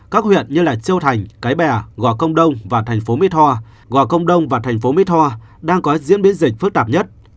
các huyện như châu thành cái bè gò công đông và thành phố my thoa gò công đông và thành phố mỹ tho đang có diễn biến dịch phức tạp nhất